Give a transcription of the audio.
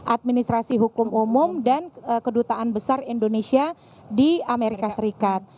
administrasi hukum umum dan kedutaan besar indonesia di amerika serikat